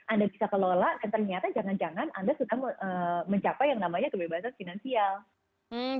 anda bisa kelola dan ternyata jangan jangan anda sudah mencapai yang namanya kebebasan finansial